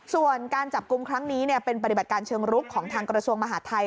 ส่วนการจับกลุ่มครั้งนี้เป็นปฏิบัติการเชิงรุกของทางกระทรวงมหาทัย